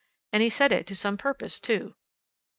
And he said it to some purpose, too. "Mr.